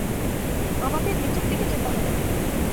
আমাদের নিচের দিকে যেতে হবে।